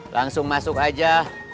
langsung masuk aja